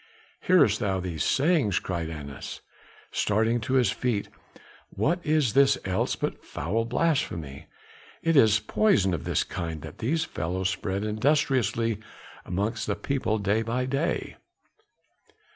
"Hearest thou these sayings?" cried Annas, starting to his feet. "What is this else but foul blasphemy? It is poison of this kind that these fellows spread industriously amongst the people day by day.